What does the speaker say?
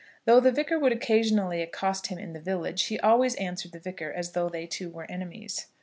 Though the Vicar would occasionally accost him in the village, he always answered the Vicar as though they two were enemies.